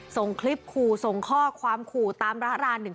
ส่งคลิปขู่ส่งข้อความขู่ตามระราน๑๒